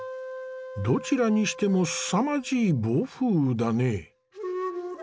どちらにしてもすさまじい暴風雨だね。